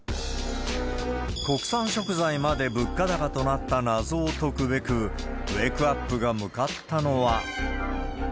国産食材まで物価高となった謎を解くべく、ウェークアップが向かったのは。